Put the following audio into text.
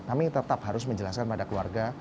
kami tetap harus menjelaskan pada keluarga